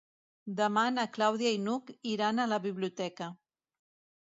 Demà na Clàudia i n'Hug iran a la biblioteca.